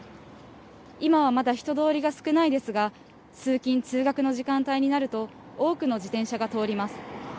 今はまだ人通りが少ないですが、通勤・通学の時間帯になると、多くの自転車が通ります。